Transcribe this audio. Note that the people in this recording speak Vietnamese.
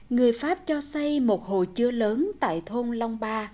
người pháp cho xây một hồ chứa lớn tại thôn long ba